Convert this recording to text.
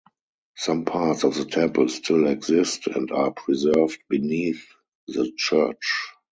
Some parts of the temple still exist and are preserved beneath the church.